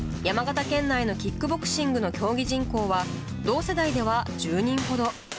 山形県内のキックボクシングの競技人口は、同世代では１０人ほど。